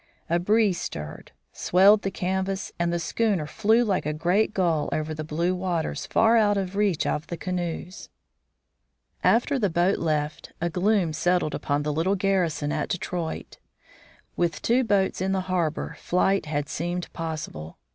A breeze stirred, swelled the canvas, and the schooner flew like a great gull over the blue waters far out of reach of the canoes. After the boat left, a gloom settled upon the little garrison at Detroit. With two boats in the harbor flight had seemed possible.